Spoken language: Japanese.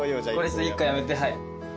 １個やめてはい。